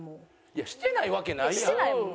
いやしてないわけないやん。